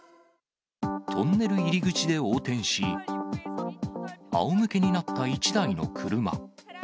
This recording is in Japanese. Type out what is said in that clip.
トンネル入り口で横転し、あおむけになった１台の車。